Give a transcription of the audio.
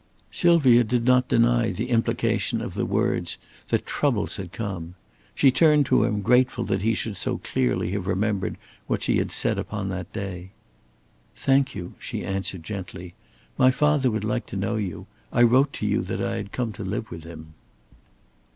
Sylvia did not deny the implication of the words that "troubles" had come. She turned to him, grateful that he should so clearly have remembered what she had said upon that day. "Thank you," she answered, gently. "My father would like to know you. I wrote to you that I had come to live with him."